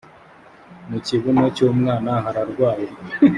mu kibuno cy’ umwana hararwaye.